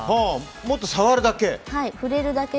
もっと触るだけ？